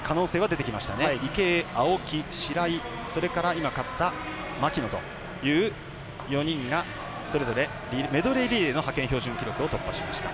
池江、青木、白井牧野という４人がそれぞれメドレーリレーの派遣標準記録を突破しました。